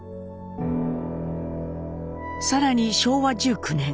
更に昭和１９年。